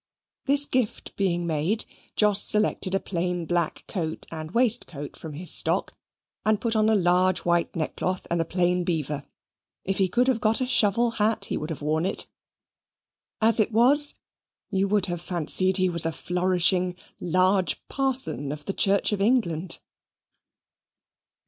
This gift being made, Jos selected a plain black coat and waistcoat from his stock, and put on a large white neckcloth, and a plain beaver. If he could have got a shovel hat he would have worn it. As it was, you would have fancied he was a flourishing, large parson of the Church of England.